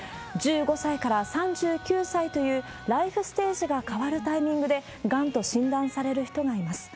１５歳から３９歳という、ライフステージが変わるタイミングでがんと診断される人がいます。